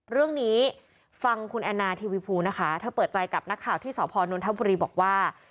เรื่องนี้ฟังคุณแอนนาทีวีภูนะคะเธอเปิดใจกับนักข่าวที่สพนนทบุรีบอกว่า